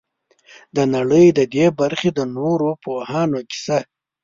د نړۍ د دې برخې د نورو پوهانو کیسه.